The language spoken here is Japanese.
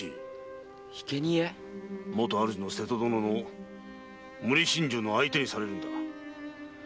元主の瀬戸殿の無理心中の相手にされるんだ。